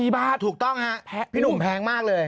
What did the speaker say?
๔บาทถูกต้องแล้วก็๔บาทพี่หนุ่มแพงมากเลย